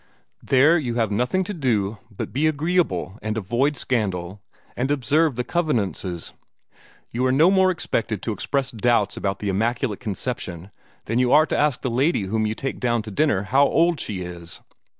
There you have nothing to do but be agreeable, and avoid scandal, and observe the convenances. You are no more expected to express doubts about the Immaculate Conception than you are to ask the lady whom you take down to dinner how old she is.